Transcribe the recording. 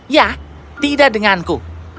ya tidak denganku